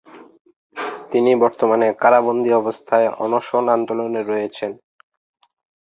তিনি বর্তমানে কারাবন্দী অবস্থায় অনশন আন্দোলনে রয়েছেন।